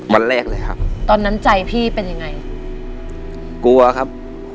วันแรกเลยครับตอนนั้นใจพี่เป็นยังไงกลัวครับ